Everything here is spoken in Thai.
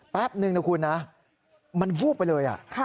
แป๊บนึงนะคุณนะมันวูบไปเลย